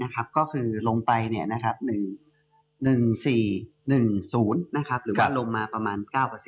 ก็คือลงไป๑๔๑๐หรือว่าลงมาประมาณ๙